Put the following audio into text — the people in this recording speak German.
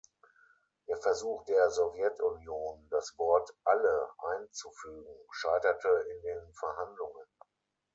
Der Versuch der Sowjetunion, das Wort „alle“ einzufügen, scheiterte in den Verhandlungen.